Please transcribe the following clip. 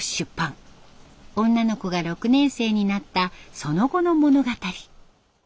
女の子が６年生になったその後の物語。